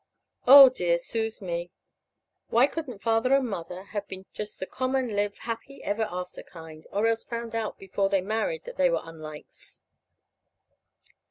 Oh, dear suz me! Why couldn't Father and Mother have been just the common live happy ever after kind, or else found out before they married that they were unlikes?